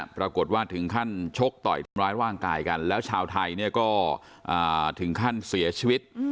ปรากฏว่าถึงขั้นชกต่อยทำร้ายร่างกายกันแล้วชาวไทยเนี่ยก็ถึงขั้นเสียชีวิต